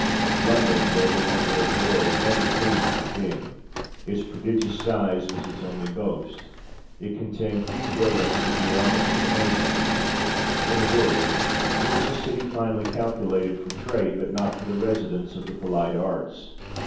London, though the wonder of the world, never pleased the King. Its prodigious size was its only boast ; it contained few buildings that did honour to the nation ; in a word, it was a city finely calculated for trade, but not for the residence of the polite arts.